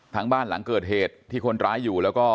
บ้านหลังเกิดเหตุที่คนร้ายอยู่แล้วก็